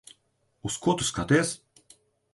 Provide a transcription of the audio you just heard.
Uz ko tu skaties?